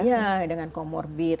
iya dengan komorbid